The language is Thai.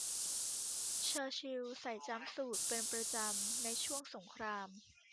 เชอร์ชิลใส่จั๊มสูทเป็นประจำในช่วงสงคราม